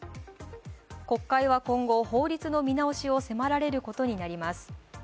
国会は今後、法律の見直しを迫られることになります。